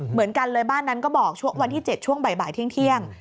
เหมือนกันเลยบ้านนั้นก็บอกช่วงวันที่๗ช่วงบ่ายเที่ยง